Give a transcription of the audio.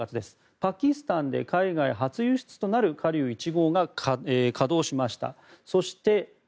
パキスタンで海外初輸出となる華竜１号が稼働しました。